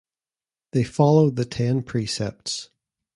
They follow the ten precepts.